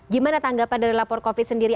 gimana tanggapan dari lapor covid sendiri